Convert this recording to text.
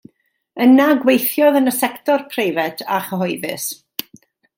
Yna gweithiodd yn y sector preifat a chyhoeddus.